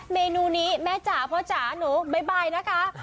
เมนูนี้แม่จ๋าพ่อจ๋าหนูบ๊ายนะคะ